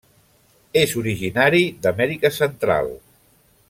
És originari d'Amèrica Central.